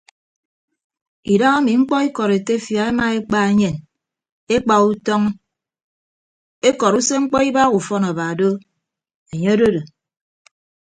Idahami mkpọ ikọd etefia emaekpa enyen ekpa utọñ ekọrọ usemkpọ ibagha ufọn aba do enye ododo.